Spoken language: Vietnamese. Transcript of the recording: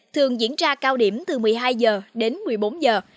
thường diễn ra cao điểm từ một mươi hai giờ đến một mươi bốn giờ